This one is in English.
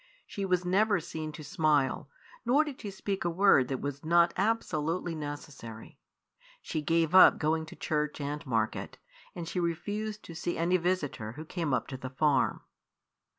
She was never seen to smile, nor did she speak a word that was not absolutely necessary. She gave up going to church and market, and she refused to see any visitor who came up to the farm.